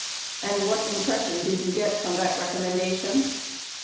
And what impression did you get from that recommendation